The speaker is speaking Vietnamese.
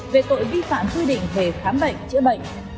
về tội vi phạm quy định về khám bệnh chữa bệnh